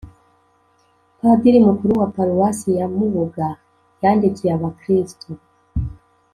padiri mukuru wa paruwasi ya mubuga yandikiye abakristu,